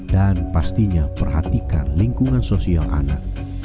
dan pastinya perhatikan lingkungan sosial anak